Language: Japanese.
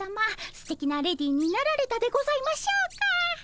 すてきなレディーになられたでございましょうか？